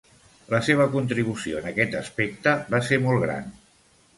La seva contribució en aquest aspecte va ser molt gran.